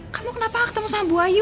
kamu kenapa ketemu sama bu ayu